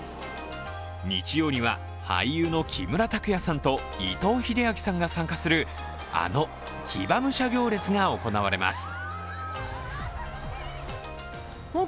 日曜には俳優の木村拓哉さんと伊藤英明さんが参加するあの騎馬武者行列が行われます。